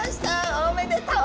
おめでとう！